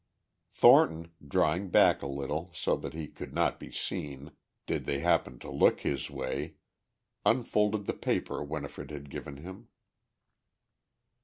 Thornton, drawing back a little so that he would not be seen did they happen to look his way, unfolded the paper Winifred had given him.